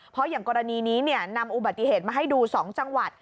เพราะอย่างกรณีนี้นำอุบัติเหตุมาให้ดู๒จังหวัด